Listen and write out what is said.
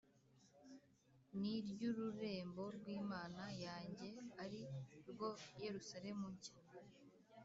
n’iry’ururembo rw’Imana yanjye ari rwo Yerusalemu nshya,